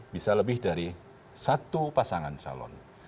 bisa lebih dari satu pasangan calon